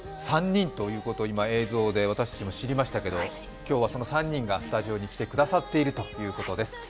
３人ということを今映像で私たちも知りましたけれども、今日はその３人がスタジオに来てくださっているということです。